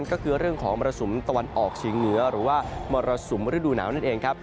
ก็คือเรื่องของมรสุมตะวันออกเฉียงเหนือหรือว่ามรสุมฤดูหนาวนั่นเองครับ